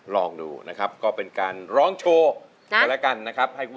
ลองดูนะครับก็เป็นการร้องโชว์กันแล้วกันนะครับ